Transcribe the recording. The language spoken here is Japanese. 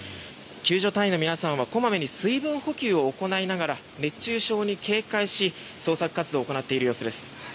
救助隊員の皆さんは小まめに水分補給を行いながら熱中症に警戒し捜索活動を行っている様子です。